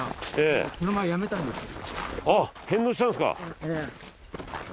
あっ返納したんですか！